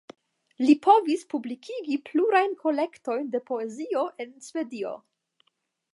Li povis publikigi plurajn kolektojn de poezio en Svedio.